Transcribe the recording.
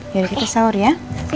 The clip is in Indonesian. yaudah kita sahur ya